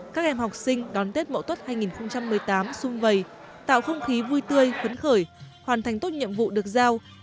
các em học sinh đón tết mậu tuất hai nghìn một mươi tám sung vầy tạo không khí vui tươi phấn khởi hoàn thành tốt nhiệm vụ được giao